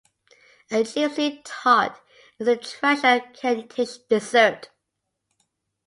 A Gypsy tart is a traditional Kentish dessert.